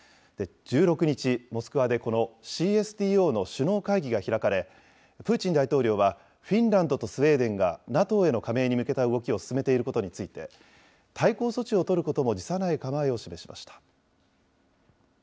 １６日、モスクワでこのＣＳＴＯの首脳会議が開かれ、プーチン大統領はフィンランドとスウェーデンがＮＡＴＯへの加盟に向けた動きを進めていることについて、対抗措置を取ることも辞さない構えを示しました。